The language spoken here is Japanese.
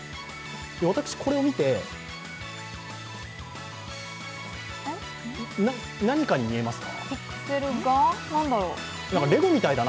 私、これを見て、何かに見えますか？